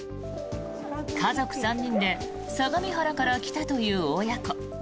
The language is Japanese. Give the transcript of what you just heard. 家族３人で相模原から来たという親子。